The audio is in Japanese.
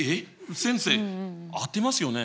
先生合ってますよね？